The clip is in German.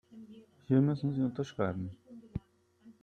Hier müssen Sie unterschreiben.